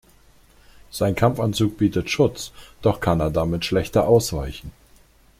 Sein Kampfanzug bietet Schutz, doch kann er damit schlechter ausweichen.